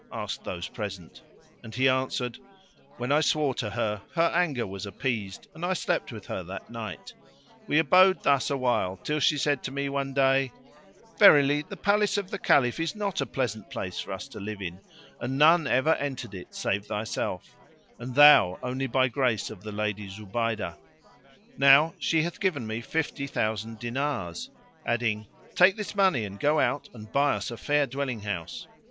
asked those present; and he answered, "When I swore to her, her anger was appeased and I slept with her that night. We abode thus awhile till she said to me one day, "Verily the Palace of the Caliph is not a pleasant place for us to live in, and none ever entered it save thyself; and thou only by grace of the Lady Zubaydah. Now she hath given me fifty thousand dinars," adding, "Take this money and go out and buy us a fair dwelling house."